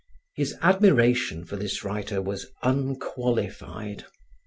His admiration for this writer was unqualified.